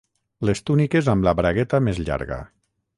Les túniques amb la bragueta més llarga.